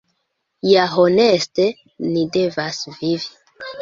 Ja honeste ni devas vivi.